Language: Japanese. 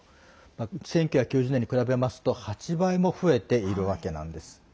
１９９０年に比べますと８倍も増えているわけなんです。